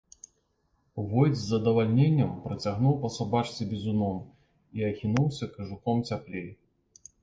Войт з задавальненнем працягнуў па сабачцы бізуном і ахінуўся кажухом цяплей.